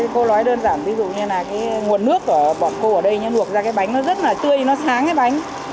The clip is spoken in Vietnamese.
cô nói đơn giản ví dụ như là cái nguồn nước của bọn cô ở đây nó luộc ra cái bánh nó rất là tươi nó sáng cái bánh